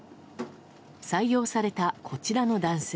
採用された、こちらの男性。